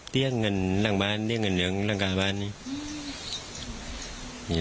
เตี้ยงนั้นล่างบ้านเตี้ยงนั้นหรือยังล่างกาศบ้านนี้